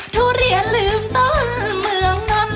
ทุเรียนลืมต้นเมือง